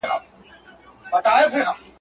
اوبه پر لوړه وهه، کته په خپله ځي.